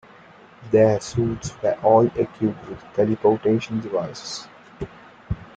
Their suits were all equipped with teleportation devices.